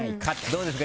どうですか？